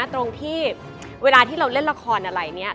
ตรงที่เวลาที่เราเล่นละครอะไรเนี่ย